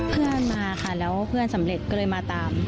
เพื่อนมาค่ะแล้วเพื่อนสำเร็จก็เลยมาตาม